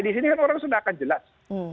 di sini kan orang sudah akan jelas